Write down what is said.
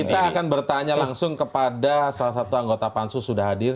kita akan bertanya langsung kepada salah satu anggota pansus sudah hadir